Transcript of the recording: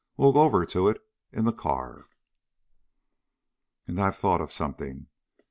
We'll go over to it in the car. "And I've thought of something.